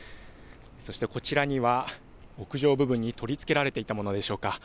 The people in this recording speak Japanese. そして、こちらには屋上部分に取り付けられていたものでしょうか。